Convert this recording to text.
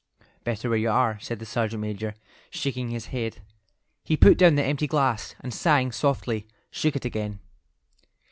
"Better where you are," said the sergeant major, shaking his head. He put down the empty glass, and sighing softly, shook it again.